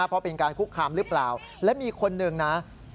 เพราะเป็นการคุกคามหรือเปล่าและมีคนหนึ่งนะ